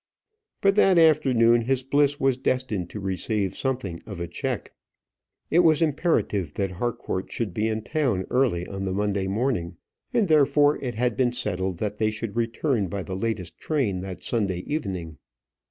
But that afternoon his bliss was destined to receive something of a check. It was imperative that Harcourt should be in town early on the Monday morning, and therefore it had been settled that they should return by the latest train that Sunday evening.